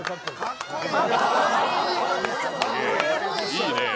いいねえ。